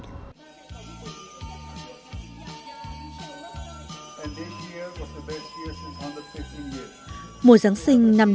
và cũng là mùa giáng sinh đầu tiên sau bốn năm